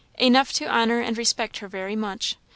"Enough to honour and respect her very much.